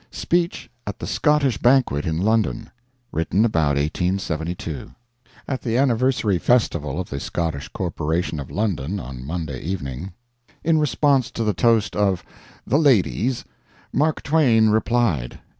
SPEECH AT THE SCOTTISH BANQUET IN LONDON [Written about 1872.] At the anniversary festival of the Scottish Corporation of London on Monday evening, in response to the toast of "The Ladies," MARK TWAIN replied.